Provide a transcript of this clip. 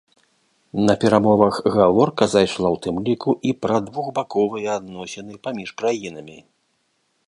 На перамовах гаворка зайшла ў тым ліку і пра двухбаковыя адносіны паміж краінамі.